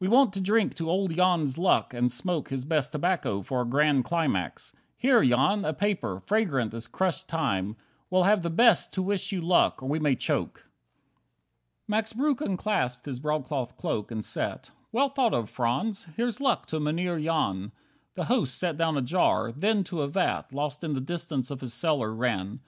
We want to drink to old Jan's luck, and smoke His best tobacco for a grand climax. Here, Jan, a paper, fragrant as crushed thyme, We'll have the best to wish you luck, or may we choke!" 5 Max Breuck unclasped his broadcloth cloak, and sat. "Well thought of, Franz; here's luck to Mynheer Jan." The host set down a jar; then to a vat Lost in the distance of his cellar, ran.